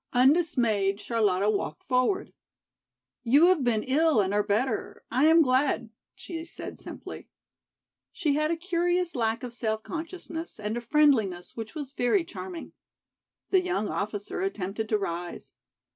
Undismayed Charlotta walked forward. "You have been ill and are better, I am glad," she said simply. She had a curious lack of self consciousness and a friendliness which was very charming. The young officer attempted to rise.